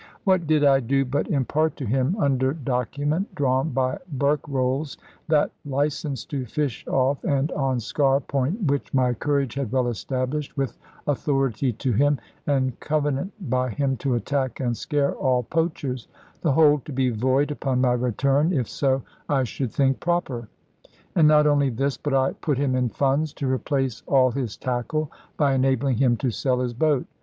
What did I do but impart to him, under document drawn by Berkrolles, that licence to fish off and on Sker Point which my courage had well established, with authority to him and covenant by him to attack and scare all poachers; the whole to be void upon my return, if so I should think proper. And not only this, but I put him in funds to replace all his tackle, by enabling him to sell his boat.